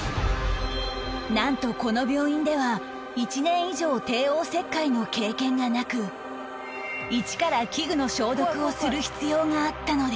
なんとこの病院では１年以上帝王切開の経験がなく一から器具の消毒をする必要があったのです